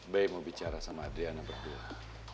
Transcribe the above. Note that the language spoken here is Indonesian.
be mau bicara sama adryana berdua